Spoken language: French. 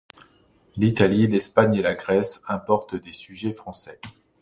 L'Italie, l'Espagne et la Grèce importent des sujets français.